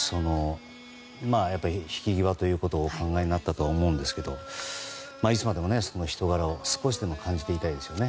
引き際ということをお考えになったとは思うんですけどいつまでも、その人柄を少しでも感じていたいですね。